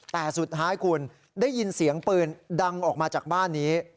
แต่สุดท้ายคุณได้ยินเสียงปืนดังออกมาจากบ้านนี้